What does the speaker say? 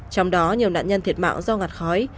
trong đó nhiều nạn nhân thiệt mạng do ngạt khói